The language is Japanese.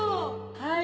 はい。